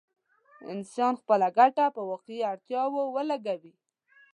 انسان خپله ګټه په واقعي اړتياوو ولګوي.